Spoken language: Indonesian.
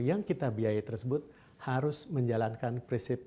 yang kita biayai tersebut harus menjalankan prinsip